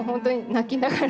泣きながら？